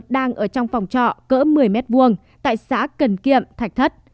đang ở trong phòng trọ cỡ một mươi m hai tại xã cần kiệm thạch thất